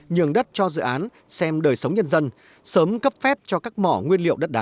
nhường đất cho dự án xem đời sống nhân dân sớm cấp phép cho các mỏ nguyên liệu đất đá